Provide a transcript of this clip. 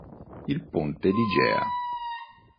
Il potere di Gea.